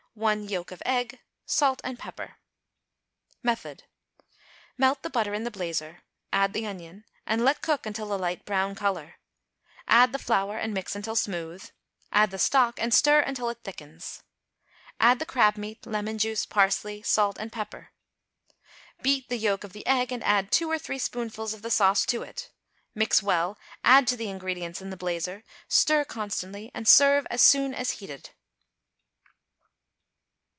1 yolk of egg. Salt and pepper. Method. Melt the butter in the blazer, add the onion, and let cook until a light brown color; add the flour and mix until smooth; add the stock and stir until it thickens. Add the crab meat, lemon juice, parsley, salt and pepper. Beat the yolk of the egg and add two or three spoonfuls of the sauce to it; mix well, add to the ingredients in the blazer, stir constantly, and serve as soon as heated.